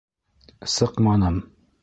Сыҡманым.